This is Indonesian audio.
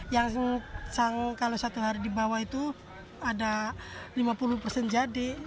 yang kalau satu hari di bawah itu ada lima puluh persen jadi